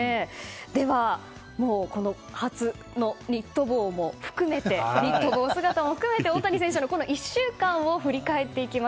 では初のニット帽姿も含めて大谷選手の１週間を振り返っていきます。